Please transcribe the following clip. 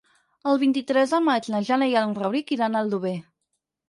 El vint-i-tres de maig na Jana i en Rauric iran a Aldover.